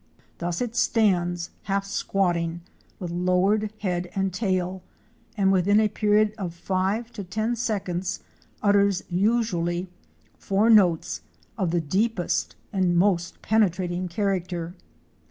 Thus it stands, half squatting with lowered head and tail, and within a period of five to ten seconds utters usually four notes of the deepest and most penetrating character.